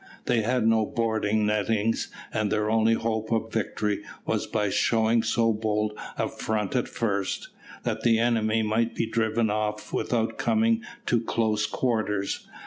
They had no boarding nettings, and their only hope of victory was by showing so bold a front at first, that the enemy might be driven off without coming to close quarters.